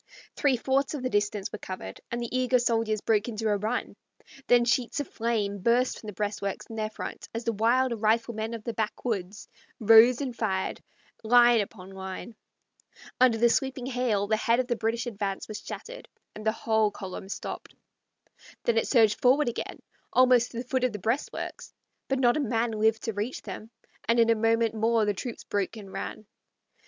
Three fourths of the distance were covered, and the eager soldiers broke into a run; then sheets of flame burst from the breastworks in their front as the wild riflemen of the backwoods rose and fired, line upon line. Under the sweeping hail the head of the British advance was shattered, and the whole column stopped. Then it surged forward again, almost to the foot of the breastworks; but not a man lived to reach them, and in a moment more the troops broke and ran back.